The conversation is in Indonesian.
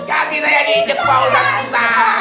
gak bisa ya dikepau ustadz